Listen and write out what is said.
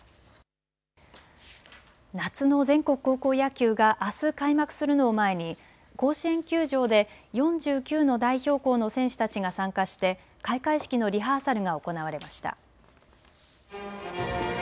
夏の全国高校野球があす開幕するのを前に甲子園球場で４９の代表校の選手たちが参加して開会式のリハーサルが行われました。